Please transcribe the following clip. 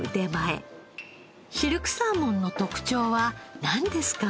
シルクサーモンの特徴はなんですか？